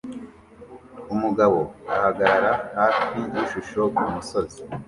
Umugabo ahagarara hafi yishusho kumusozi